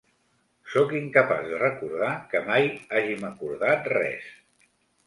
Soc incapaç de recordar que mai hàgim acordat res.